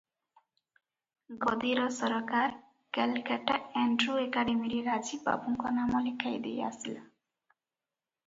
ଗଦିର ସରକାର କେଲକାଟା ଏଣ୍ଡ୍ରୁ, ଏକାଡେମିରେ ରାଜୀବ ବାବୁଙ୍କ ନାମ ଲେଖାଇ ଦେଇ ଆସିଲା ।